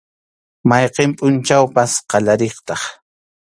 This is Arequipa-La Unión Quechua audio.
Mayqin pʼunchawpas qallariqtaq.